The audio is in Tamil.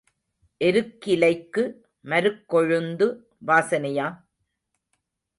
எருக்கிலைக்கு மருக்கொழுந்து வாசனையா?